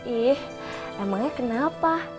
ih emangnya kenapa